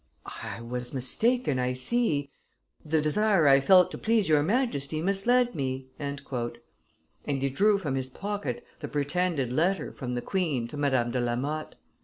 "I was mistaken, I see; the desire I felt to please your Majesty misled me, and he drew from his pocket the pretended letter from the queen to Madame de la Motte.